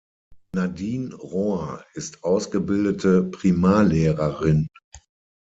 Nadine Rohr ist ausgebildete Primarlehrerin.